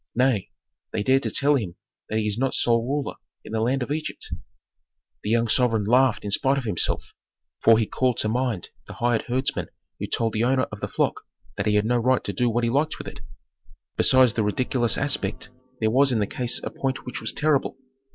Nay! they dare to tell him that he is not sole ruler in the land of Egypt. The young sovereign laughed in spite of himself, for he called to mind the hired herdsmen who told the owner of the flock that he had no right to do what he liked with it. Besides the ridiculous aspect there was in the case a point which was terrible.